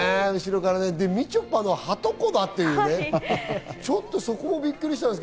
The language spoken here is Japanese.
で、みちょぱのはとこだっていう、そこもびっくりした。